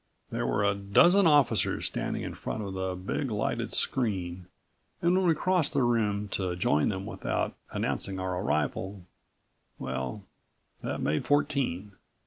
There were a dozen officers standing in front of the big lighted screen and when we crossed the room to join them without announcing our arrival well, that made fourteen.